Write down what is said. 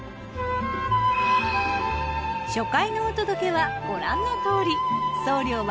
初回のお届けはご覧のとおり。